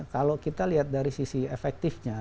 kalau kita lihat dari sisi efektifnya